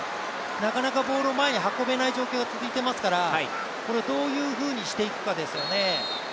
なかなかボールを前に運べない状況が続いていますから、これをどういうふうにしていくかですよね。